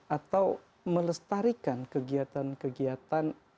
atau melestarikan kegiatan kegiatan